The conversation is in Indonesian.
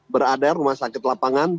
berada rumah sakit lapangan